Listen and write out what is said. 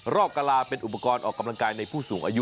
กะลาเป็นอุปกรณ์ออกกำลังกายในผู้สูงอายุ